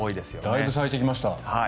だいぶ咲いてきました。